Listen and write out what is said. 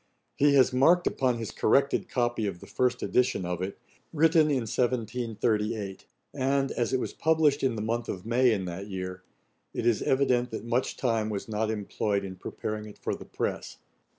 He has marked upon his corrected copy of the first edition of it, 'Written in 1738;' and, as it was published in the month of May in that year, it is evident that much time was not employed in preparing it for the press.